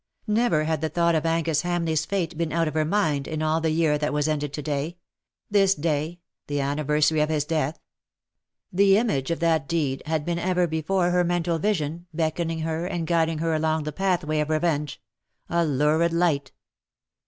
Never had the thought of Angus Hamleigh^s fate been out of her mind in all the year that was ended to day — this day — the anniversary of his death. The image of that deed had been ever before her mental vision, beckoning her and guiding her along the pathway of revenge — a lurid light.